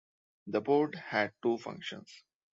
The port had two functions.